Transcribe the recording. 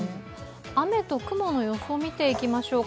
雨と雲の予想を見ていきましょうか。